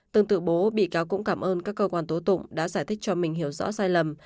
tương tự bố bị cáo cũng cảm ơn các cơ quan tố tụng đã giải thích cho mình hiểu rõ sai lầm